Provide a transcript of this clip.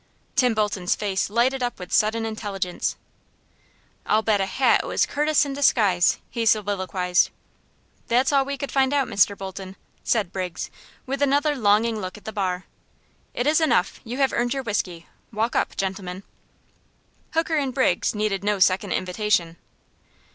Tim Bolton's face lighted up with sudden intelligence. "I'll bet a hat it was Curtis in disguise," he soliloquized. "That's all we could find out, Mr. Bolton," said Briggs, with another longing look at the bar. "It is enough! You have earned your whiskey. Walk up, gentlemen!" Hooker and Briggs needed no second invitation.